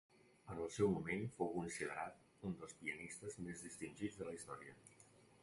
En el seu moment fou considerat un dels pianistes més distingits de la història.